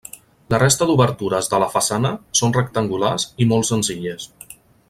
La resta d'obertures de la façana són rectangulars i molt senzilles.